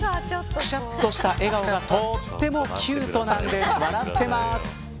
くしゃっとした笑顔がとってもキュートな様子で笑ってます。